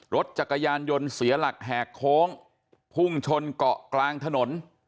รถจักรยานยนต์เสียหลักแหกโค้งพุ่งชนเกาะกลางถนน